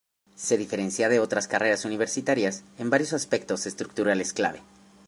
Se diferencia de otras carreras universitarias en varios aspectos estructurales clave.